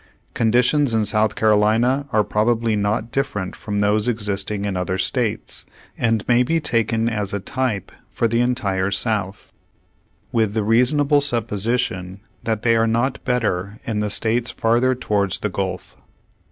Conditions in South Carolina are probably not different from those existing in other states, and may be taken as a type for the entire South, with the reasonable supposition that they are not bet ter in the states farther towards the Gulf.